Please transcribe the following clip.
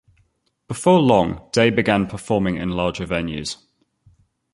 Before long, Day began performing in larger venues.